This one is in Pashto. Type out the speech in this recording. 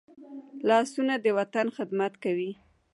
لاسونه د وطن خدمت کوي